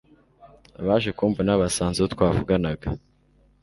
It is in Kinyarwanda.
Abaje kumvuna Basanze uwo twavuganaga